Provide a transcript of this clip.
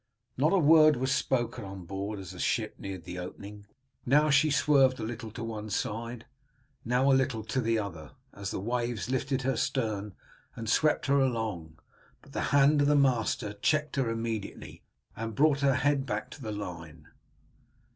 Not a word was spoken on board as the ship neared the opening. Now she swerved a little to one side, now a little to the other, as the waves lifted her stern and swept her along, but the hand of the master checked her immediately, and brought her head back to the line.